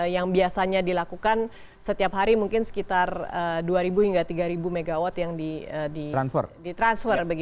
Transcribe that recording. yang biasanya dilakukan setiap hari mungkin sekitar dua ribu hingga tiga ribu megawatt yang di transfer